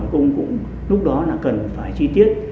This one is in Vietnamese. cũng lúc đó là cần phải chi tiết